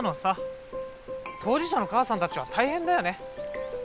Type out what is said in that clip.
当事者の母さんたちは大変だよね。